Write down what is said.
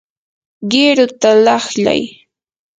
qiruta laqlay.